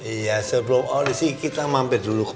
iya sebelum audisi kita mampir dulu ke